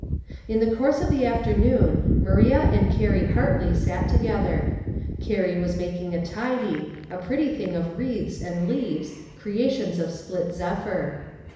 In the course of the afternoon Maria and Carrie Hartley sat together. Carrie was mak ing a tidy, a pretty thing of wreaths and leaves, creations of split zephyr.